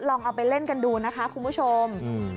ลองเอาไปเล่นกันดูนะคะคุณผู้ชม